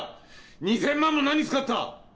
２，０００万も何に使った！